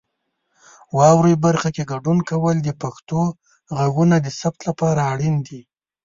واورئ برخه کې ګډون کول د پښتو غږونو د ثبت لپاره اړین دي.